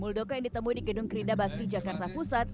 buldoko yang ditemui di gedung kerindabakri jakarta pusat